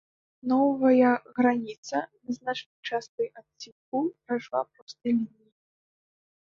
Новая граніца на значнай частцы адцінку прайшла простай лініяй.